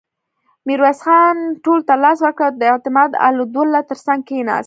ميرويس خان ټولو ته لاس ورکړ او د اعتماد الدوله تر څنګ کېناست.